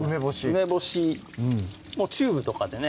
梅干しチューブとかでね